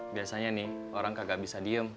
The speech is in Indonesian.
biasanya nih orang kagak bisa diem